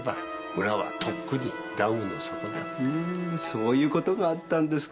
そういうことがあったんですか。